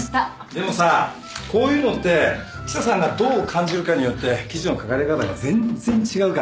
でもさこういうのって記者さんがどう感じるかによって記事の書かれ方が全然違うから。